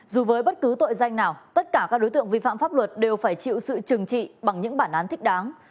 dù với bất cứ tội danh nào tất cả các đối tượng vi phạm pháp luật đều phải chịu sự trừng trị bằng những bản án thích đáng